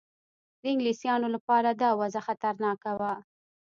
د انګلیسیانو لپاره دا وضع خطرناکه وه.